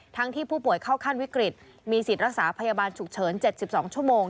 ที่ผู้ป่วยเข้าขั้นวิกฤตมีสิทธิ์รักษาพยาบาลฉุกเฉิน๗๒ชั่วโมง